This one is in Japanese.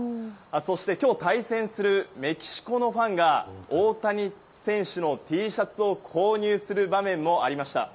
そして今日、対戦するメキシコのファンが大谷選手のＴシャツを購入する場面もありました。